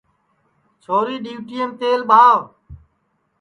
چھوری ڈِؔیوٹئیم تیل ٻاہو